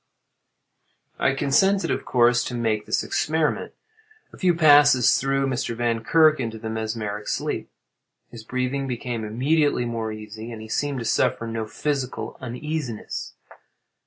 I consented of course to make this experiment. A few passes threw Mr. Vankirk into the mesmeric sleep. His breathing became immediately more easy, and he seemed to suffer no physical uneasiness.